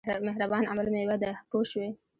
مهربان عمل مېوه ده پوه شوې!.